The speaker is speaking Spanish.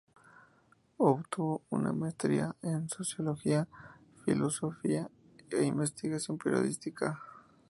Obtuvo una maestría en sociología, filosofía e investigación periodística.